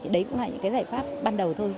đấy cũng là những giải pháp ban đầu thôi